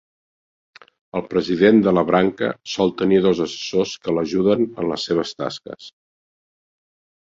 El president de la branca sol tenir dos assessors que l'ajuden en les seves tasques.